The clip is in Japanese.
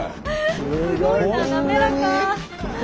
すごいな滑らか。